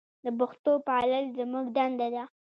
د پښتو پالل زموږ دنده ده.